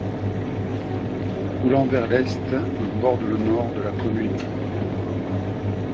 Coulant vers l'est, il borde le nord de la commune.